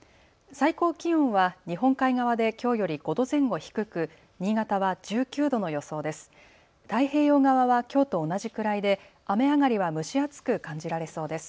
最高気温は日本海側できょうより５度前後低く新潟は１９度の予想です。